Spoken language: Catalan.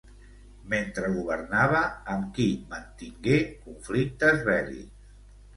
Mentre governava, amb qui mantingué conflictes bèl·lics?